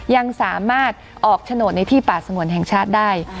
ยังสามารถออกโฉนดในที่ป่าสงวนแห่งชาติได้